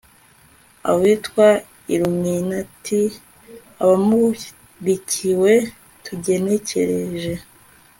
awita iluminati abamurikiwe tugenekereje